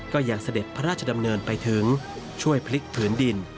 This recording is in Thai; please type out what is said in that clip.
เสด็จพระราชดำเนินไปถึงช่วยพลิกผืนดิน